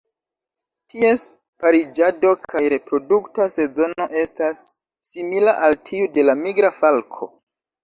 Ties pariĝado kaj reprodukta sezono estas simila al tiu de la Migra falko.